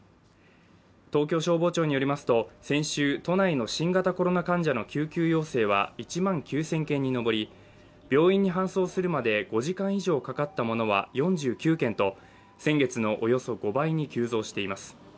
東京消防庁によりますと先週都内の新型コロナ患者の救急要請は１万９０００件に上り、病院に搬送するまで５時間以上かかったものは４９件と先月のおよそ５倍に急増しています